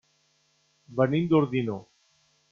Venim d'Ordino.